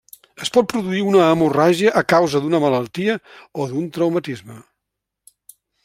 Es pot produir una hemorràgia a causa d'una malaltia o d'un traumatisme.